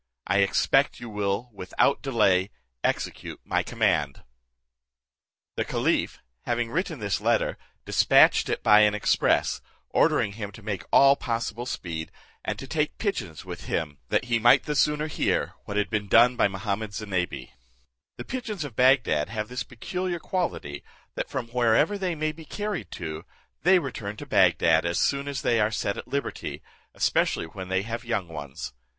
I expect you will without delay execute my command." The caliph having written this letter, dispatched it by an express, ordering him to make all possible speed, and to take pigeons along with him, that he might the sooner hear what had been done by Mahummud Zinebi. The pigeons of Bagdad have this peculiar quality, that from wherever they may be carried to, they return to Bagdad as soon as they are set at liberty, especially when they have young ones.